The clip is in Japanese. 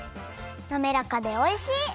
なめらかでおいしい！